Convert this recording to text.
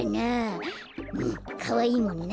うんかわいいもんな。